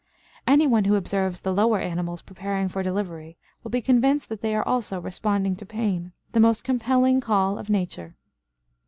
Anyone who observes the lower animals preparing for delivery will be convinced that they also are responding to pain, the most compelling call of nature.